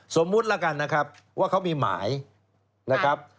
สมมุติแล้วกันนะครับว่าเขามีหมายนะครับ